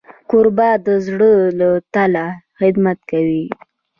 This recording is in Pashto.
کوربه د زړه له تله خدمت کوي.